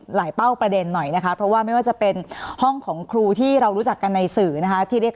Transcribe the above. เป้าประเด็นหน่อยนะคะเพราะว่าไม่ว่าจะเป็นห้องของครูที่เรารู้จักกันในสื่อนะคะที่เรียก